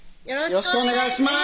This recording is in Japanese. よろしくお願いします